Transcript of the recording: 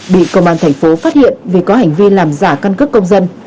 bị công an thành phố phát hiện vì có hành vi làm giả căn cước công dân